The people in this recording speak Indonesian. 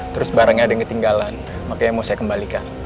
terus barangnya ada yang ketinggalan makanya mau saya kembalikan